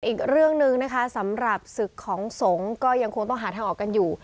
อีกเรื่องหนึ่งนะคะสำหรับศึกของสงฆ์ก็ยังคงต้องหาทางออกกันอยู่